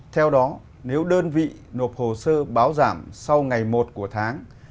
theo đó nếu đơn vị nộp hồ sơ báo giảm sau ngày một của tháng